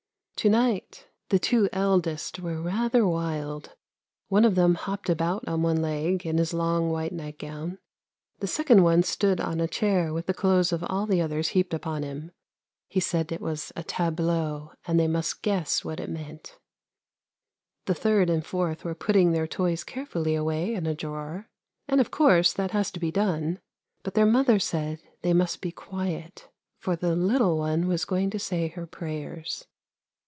" To night the two eldest were rather wild; one of them hopped about on one leg in his long white nightgown. The second one stood on a chair with the clothes of all the others heaped upon him ; he said it was a tableau, and they must guess what it meant. The third and fourth were putting their toys carefully away in a drawer, and, of course, that has to be done, but their mother said they must be quiet, for the little one was going to say her prayers.